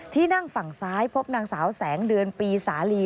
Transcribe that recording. ที่นั่งฝั่งซ้ายพบนางสาวแสงเดือนปีสาลี